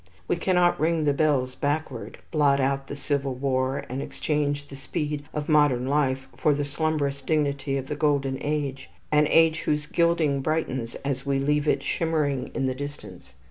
We cannot ring the bells backward, blot out the Civil War, and exchange the speed of modern life for the slumberous dignity of the Golden Age, an age whose gilding brightens as we leave it shimmering in the distance.